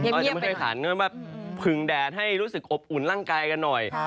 เขาอาจจะไม่ใช่ขันเพราะว่าพึงแดนให้รู้สึกอบอุ่นร่างกายกันหน่อย